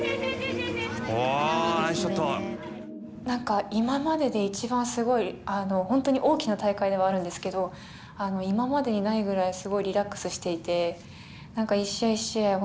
何か今までで一番すごい本当に大きな大会ではあるんですけど今までにないぐらいすごいリラックスしていて何か一試合一試合